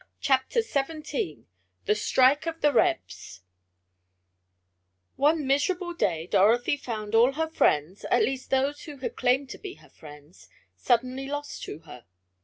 CHAPTER XVII THE STRIKE OF THE REBS One miserable day Dorothy found all her friends, at least those who had claimed to be her friends, suddenly lost to her.